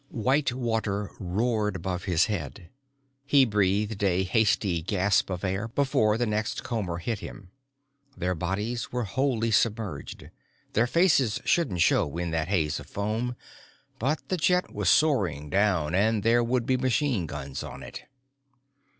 _ White water roared above his head. He breathed a hasty gasp of air before the next comber hit him. Their bodies were wholly submerged, their faces shouldn't show in that haze of foam but the jet was soaring down and there would be machine guns on it.